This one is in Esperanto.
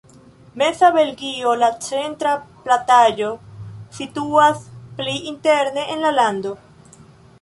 Meza Belgio, la centra plataĵo, situas pli interne en la lando.